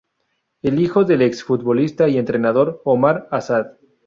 Es hijo del ex futbolista y entrenador Omar Asad.